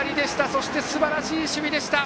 そしてすばらしい守備でした。